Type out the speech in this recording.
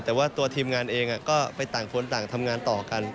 แต่ว่าตัวทีมงานเองก็ไปต่างคนต่างทำงานต่อกัน